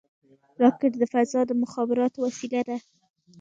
راکټ د فضا د مخابراتو وسیله ده